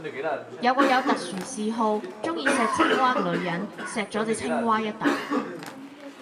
有個有特殊嗜好,中意錫青蛙噶女人錫左隻青蛙一淡